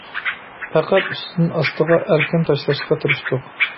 پەقەت ئۈستىدىن ئاستىغا ئەركىن تاشلاشقا تىرىشتۇق.